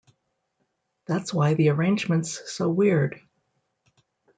That's why the arrangement's so weird.